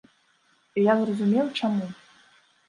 І я зразумеў, чаму!